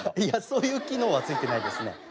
いやそういう機能はついてないですね。